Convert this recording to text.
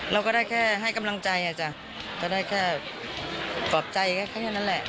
เราก็ได้แค่ให้กำลังใจอ่ะจ้ะจะได้แค่ปลอบใจแค่นั้นแหละ